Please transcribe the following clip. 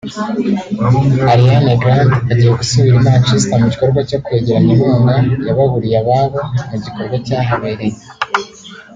Ariana Grande agiye gusubira i Manchester mugikorwa cyo kwegeranya inkunga yababuriye ababo mu gitero cyahabereye